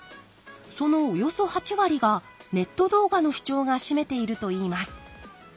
そのおよそ８割がネット動画の視聴が占めているといいます。